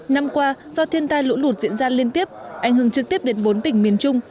năm qua do thiên tai lũ lụt diễn ra liên tiếp ảnh hưởng trực tiếp đến bốn tỉnh miền trung